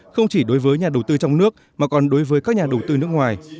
không chỉ đối với nhà đầu tư trong nước mà còn đối với các nhà đầu tư nước ngoài